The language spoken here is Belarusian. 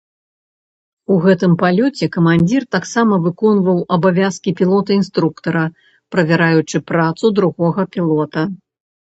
У гэтым палёце камандзір таксама выконваў абавязкі пілота-інструктара, правяраючы працу другога пілота.